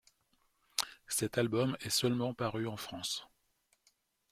Cet album est seulement paru en France.